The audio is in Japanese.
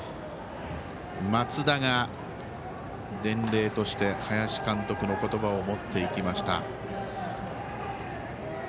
松田が伝令として林監督の言葉を持っていきました。